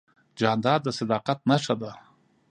جانداد د صداقت نښه ده.